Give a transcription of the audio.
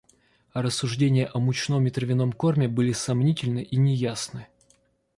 А рассуждения о мучном и травяном корме были сомнительны и неясны.